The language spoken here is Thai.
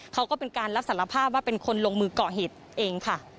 เขาก็เป็นการรับสารภาพว่าเป็นคนลงมือก่อเหตุเองค่ะ